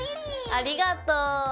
ありがとう。